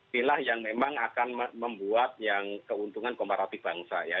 pilihlah yang memang akan membuat yang keuntungan komaratif bangsa ya